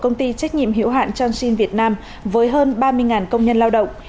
công ty trách nhiệm hiểu hạn johnson việt nam với hơn ba mươi công nhân lao động